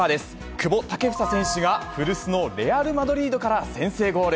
久保建英選手が古巣のレアル・マドリードから先制ゴール。